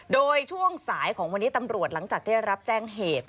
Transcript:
โดยช่วงสายของวันนี้ตำรวจหลังจากได้รับแจ้งเหตุ